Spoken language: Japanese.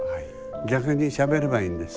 逆にしゃべればいいんです。